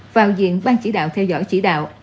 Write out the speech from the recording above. vào diện ban chỉ đạo theo dõi chỉ đạo